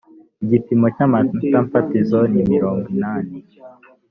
igipimo cy’ amanota fatizo ni mironginani.